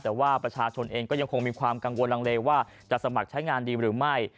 แต่ว่าประชาชนเองก็ยังคงมีความกังวลลังเลว่าจะสมัครใช้งานดีหรือไม่